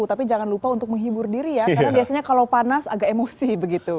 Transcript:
tapi jangan lupa untuk menghibur diri ya karena biasanya kalau panas agak emosi begitu